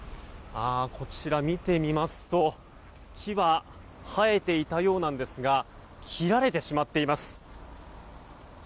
こちら、見てみますと木は生えていたようなんですが切られてしまっています。